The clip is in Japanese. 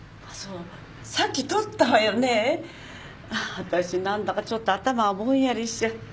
私何だかちょっと頭がぼんやりしちゃって。